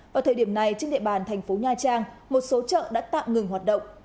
vào thời điểm này trên địa bàn thành phố nha trang một số chợ đã tạm ngừng hoạt động